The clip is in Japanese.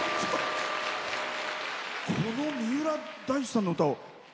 この三浦大知さんの歌を。